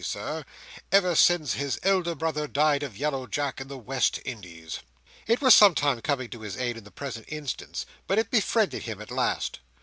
Sir, ever since his elder brother died of Yellow Jack in the West Indies." It was some time coming to his aid in the present instance, but it befriended him at last.